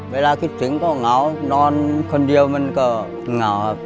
เวลาคิดถึงก็เหงานอนคนเดียวมันก็เหงาครับ